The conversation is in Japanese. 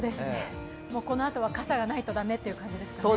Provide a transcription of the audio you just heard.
このあとは傘がないと駄目という感じですね。